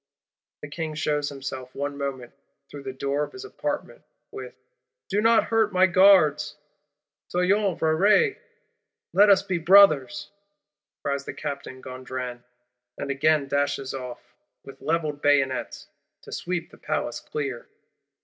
The King shews himself, one moment, through the door of his Apartment, with: 'Do not hurt my Guards!'—'Soyons frères, Let us be brothers!' cries Captain Gondran; and again dashes off, with levelled bayonets, to sweep the Palace clear.